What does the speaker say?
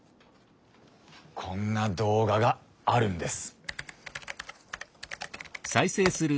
こんな動画があるんです。